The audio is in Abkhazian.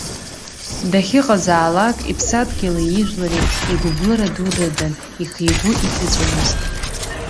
Дахьыҟазаалак иԥсадгьыли ижәлари игәбылра ду рыдын, ихы-игәы иҭыҵәомызт.